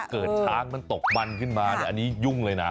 เกิดช้างมันตกมันขึ้นมาอันนี้ยุ่งเลยนะ